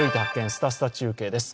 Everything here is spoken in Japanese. すたすた中継」です。